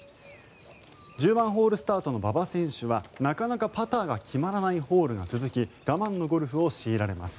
１０番ホールスタートの馬場選手はなかなかパターが決まらないホールが続き我慢のゴルフを強いられます。